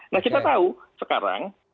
nah kita tahu sekarang